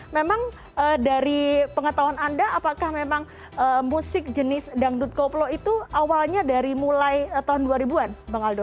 memang dari pengetahuan anda apakah memang musik jenis dangdut koplo itu awalnya dari mulai tahun dua ribu an bang aldo